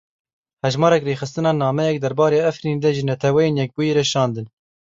Hejmarek rêxistinan nameyek derbarê Efrînê de ji Netewên Yekbûyî re şandin.